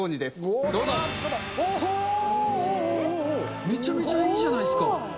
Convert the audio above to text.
おうおう、めちゃめちゃいいじゃないですか。